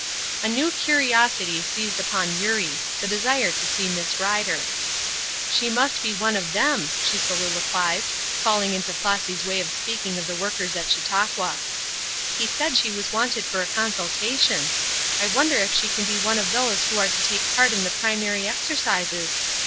A new curiosity seized upon Eurie the desire to see Miss Rider. "She must be one of them," she soliloquized, falling into Flossy's way of speaking of the workers at Chautauqua. "He said she was wanted for a consultation. I wonder if she can be one of those who are to take part in the primary exercises?